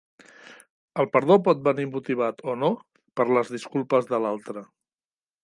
El perdó pot venir motivat o no per les disculpes de l'altre.